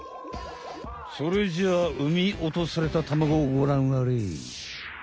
それじゃうみおとされた卵をごらんあれ。